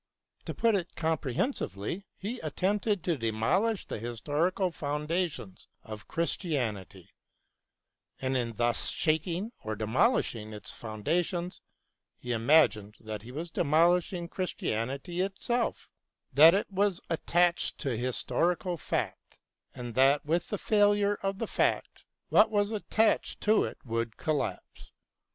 To put it comprehensively, he attempted to demolish the historical foundations of Christianity, and in thus shaking or demolishing its foundations he imagined that he was demolishing Christianity itself ; that it was attached to historical fact, and that with the failure of the fact what was attached to it would collapse.